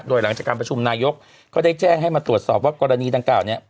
โดยหลังจากการประชุมนายกก็ได้แจ้งให้มาตรวจสอบว่ากรณีดังกล่าวเนี่ย